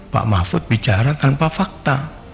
pak mahfud bicara tanpa fakta